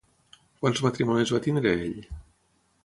Quants matrimonis va tenir ell?